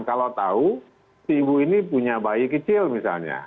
kalau tahu si ibu ini punya bayi kecil misalnya